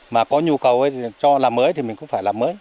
mà có nhu cầu cho làm mới thì mình cũng phải làm mới